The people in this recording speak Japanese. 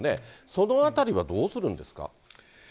そのあたりはどうするんですか。